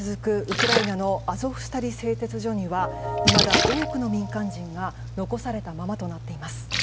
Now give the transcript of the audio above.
ウクライナのアゾフスタリ製鉄所にはいまだ多くの民間人が残されたままとなっています。